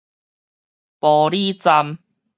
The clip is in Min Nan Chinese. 埔里站